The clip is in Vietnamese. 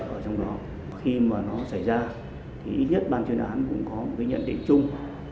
ở trong đó khi mà nó xảy ra thì ít nhất ban chuyên án cũng có một cái nhận định chung